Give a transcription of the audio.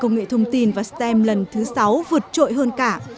công nghệ thông tin và stem lần thứ sáu vượt trội hơn cả